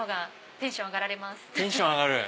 テンション上がる！